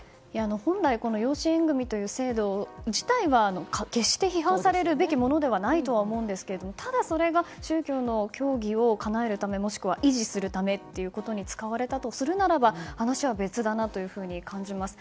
本来、養子縁組という制度自体は決して批判されるべきものではないと思うんですけどもただ、それが宗教の教義をかなえるためもしくは維持するためということに使われたとするならば話は別だなというふうに感じます。